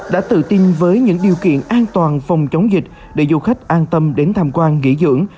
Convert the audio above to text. đã tự tin với những điều kiện an toàn phòng chống dịch để du khách an tâm đến tham quan nghỉ dưỡng